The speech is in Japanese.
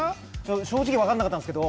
正直分かんなかったんですけど。